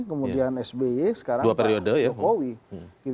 kemudian sby sekarang pak jokowi